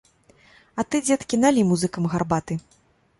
А ты, дзеткі, налі музыкам гарбаты!